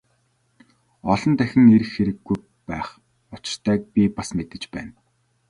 Олон дахин ирэх хэрэггүй байх учиртайг би бас мэдэж байна.